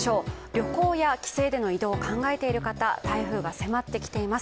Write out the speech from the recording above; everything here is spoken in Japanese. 旅行や帰省での移動を考えている方、台風の影響が出てきます。